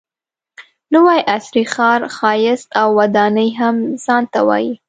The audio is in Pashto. نوي عصري ښار ښایست او ودانۍ هم ځان ته وایي.